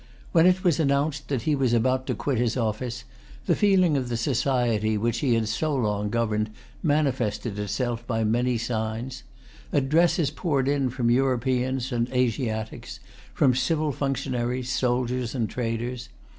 When it was announced that he was about to quit his office, the feeling of the society which he had so long governed manifested itself by many signs. Addresses poured in from Europeans and Asiatics, from civil functionaries, soldiers, and traders.